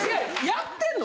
やってんの？